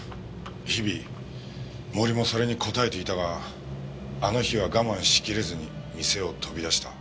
日々森もそれに応えていたがあの日は我慢しきれずに店を飛び出した。